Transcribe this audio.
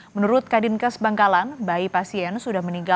menurut kadinkes bangkalan bayi pasien sudah meninggal